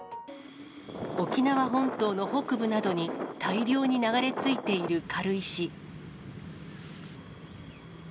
沖縄本島の北部などに大量に流れ着いている軽石。